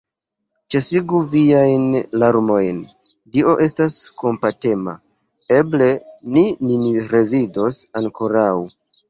Ĉesigu viajn larmojn, Dio estas kompatema, eble ni nin revidos ankoraŭ!